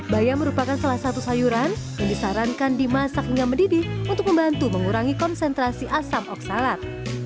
bayam merupakan salah satu sayuran yang disarankan dimasak hingga mendidih untuk membantu mengurangi konsentrasi asam oksalat